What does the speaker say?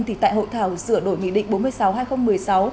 thì tại hội thảo sửa đổi nghị định bốn mươi sáu hai nghìn một mươi sáu